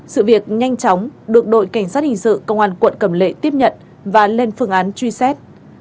sự việc nhanh chóng được đội cảnh sát hình sự công an quận cầm lệ tiếp nhận và lên phương án truy xét